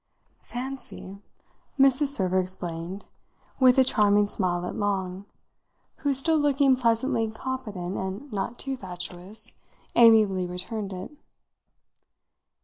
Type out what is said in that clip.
"Fancy!" Mrs. Server explained with a charming smile at Long, who, still looking pleasantly competent and not too fatuous, amiably returned it.